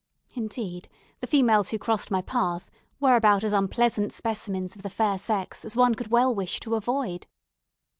Indeed, the females who crossed my path were about as unpleasant specimens of the fair sex as one could well wish to avoid.